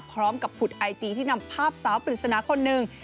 พร้อมกับผุดไอจีที่นำภาพสาวปริศนาคนหนึ่ง